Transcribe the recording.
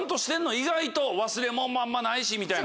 意外と忘れ物もあんまないしみたいな？